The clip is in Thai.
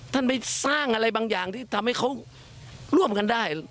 ท่านไปสร้างอะไรบางอย่างที่ทำให้เขาร่วมกันได้